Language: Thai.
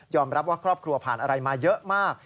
รับว่าครอบครัวผ่านอะไรมาเยอะมาก